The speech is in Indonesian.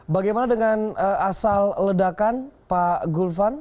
bagaimana dengan asal ledakan pak gulvan